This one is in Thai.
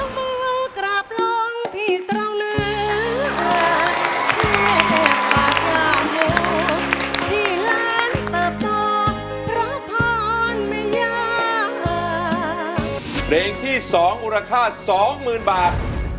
เพลงที่๒อุราคา๒๐๐๐๐บาท